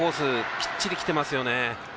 きっちりきてますよね。